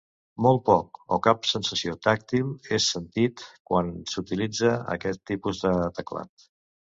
Molt poc o cap sensació tàctil és sentit quan s'utilitza aquest tipus de teclat.